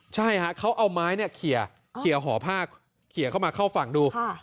ใช่เขาเอาไม้เขียวเขียวหอผ้าเขียวเข้ามาเข้าฝั่งดู